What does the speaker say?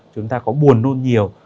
chúng ta có buồn nôn nhiều